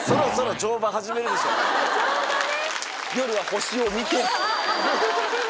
乗馬ね。